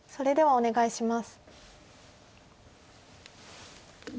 お願いします。